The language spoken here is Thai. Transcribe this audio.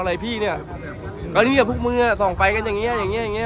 อะไรพี่เนี้ยตอนนี้ไอ้ผู้มือส่องไฟกันอย่างเงี้ยอย่างเงี้ยอย่างเงี้ย